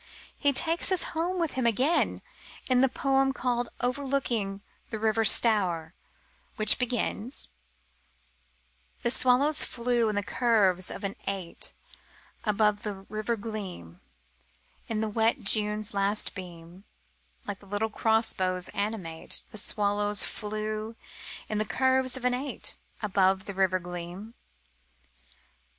He takes us home with him again in the poem called Overlooking the River Stour, which begins: The swallows flew in the curves of an eight Above the river gleam In the wet June's last beam: Like little crossbows animate, The swallows flew in the curves of an eight Above the river gleam.